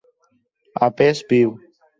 A pes viu.